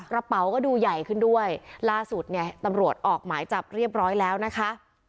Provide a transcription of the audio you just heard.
กระเป๋าก็ดูใหญ่ขึ้นด้วยล่าสุดเนี่ยตำรวจออกหมายจับเรียบร้อยแล้วนะคะ